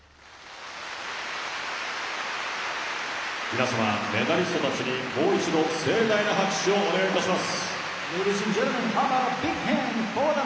皆様メダリストたちにもう一度、盛大な拍手をお願いいたします。